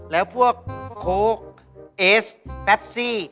แล้วพวกโค้กเอสแปปซี่